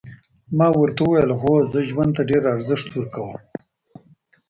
ما ورته وویل هو زه ژوند ته ډېر ارزښت ورکوم.